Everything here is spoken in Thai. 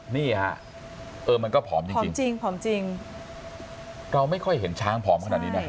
นี่ะเออมันก็ผอมจริงเราไม่ค่อยเห็นช้างผอมขนาดนี้น่ะ